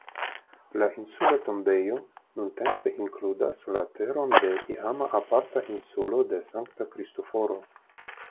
La insula tombejo nuntempe inkludas la teron de iama aparta insulo de Sankta Kristoforo.